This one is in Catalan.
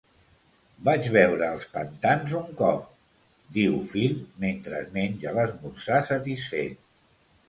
"Vaig veure els pantans un cop", diu Phil mentre es menja l'esmorzar satisfet.